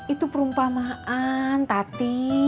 itu perumpamaan tati